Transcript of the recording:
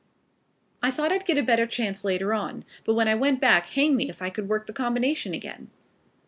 "I thought I'd get a better chance later on. But when I went back hang me if I could work the combination again."